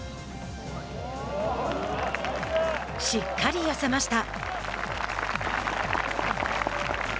しっかり寄せました。